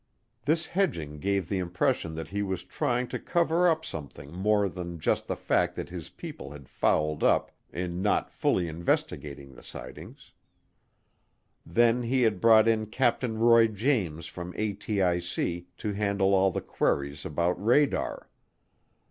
This hedging gave the impression that he was trying to cover up something more than just the fact that his people had fouled up in not fully investigating the sightings. Then he had brought in Captain Roy James from ATIC to handle all the queries about radar.